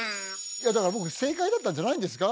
いやだから僕正解だったんじゃないんですか？